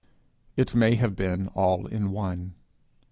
It may have been all in one.